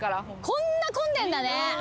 こんな混んでんだね。